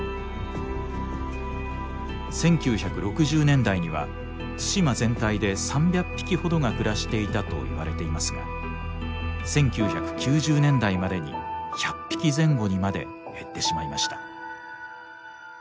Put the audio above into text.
１９６０年代には対馬全体で３００匹ほどが暮らしていたといわれていますが１９９０年代までに１００匹前後にまで減ってしまいました。